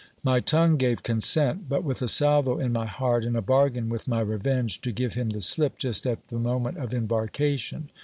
My tongue gave consent ; but with a salvo in my heart and a bargain with my revenge, to give him the slip just at the moment of embarkation.